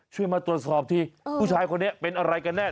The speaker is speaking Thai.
มาตรวจสอบทีผู้ชายคนนี้เป็นอะไรกันแน่